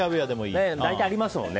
大体ありますもんね